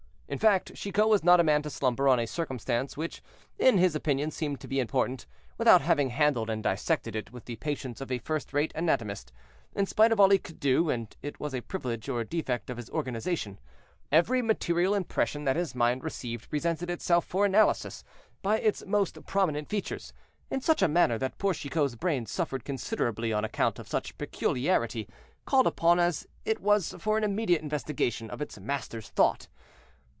In fact, Chicot was not a man to slumber on a circumstance which, in his opinion, seemed to be important, without having handled and dissected it, with the patience of a first rate anatomist; in spite of all he could do (and it was a privilege or defect of his organization), every material impression that his mind received presented itself for analysis, by its most prominent features, in such a manner that poor Chicot's brain suffered considerably on account of such peculiarity, called upon as it was for an immediate investigation of its master's thought.